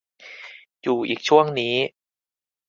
อยู่อีกช่วงนี้